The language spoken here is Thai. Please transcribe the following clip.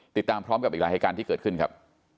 ติดตามพร้อมกับอีกหลายเหตุการณ์ที่เกิดขึ้นครับ